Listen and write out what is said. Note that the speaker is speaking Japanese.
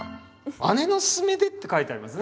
「姉の勧めで」って書いてありますね